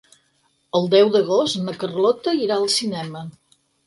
El deu d'agost na Carlota irà al cinema.